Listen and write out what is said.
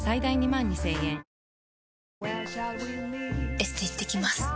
エステ行ってきます。